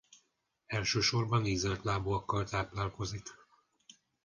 Elsősorban ízeltlábúakkal táplálkozik.